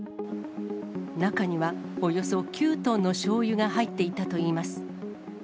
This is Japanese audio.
中にはおよそ９トンのしょうゆが入っていたといいます。